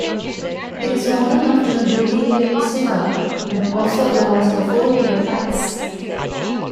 It is modeled after "Guilty Gear Isuka", and also allows for four player fights.